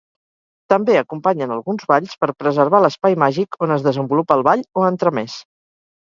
També acompanyen alguns balls, per preservar l'espai màgic on es desenvolupa el ball o entremès.